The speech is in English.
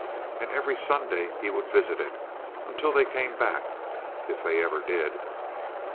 And every Sunday he would visit it; until they came back if they ever did.